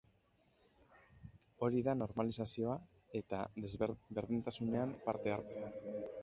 Hori da normalizazioa eta berdintasunean parte hartzea.